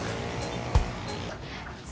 saya udah lulus sma